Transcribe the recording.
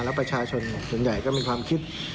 แล้วประชาชนส่วนใหญ่ก็มีความคิด